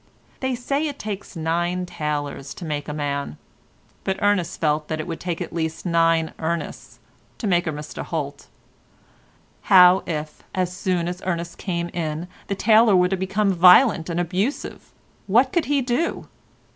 They say it takes nine tailors to make a man, but Ernest felt that it would take at least nine Ernests to make a Mr Holt. How if, as soon as Ernest came in, the tailor were to become violent and abusive? What could he do?